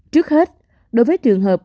trước hết đối với trường hợp